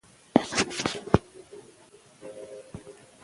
رېدي په طبیله کې خپل اس ته خواړه ورکول.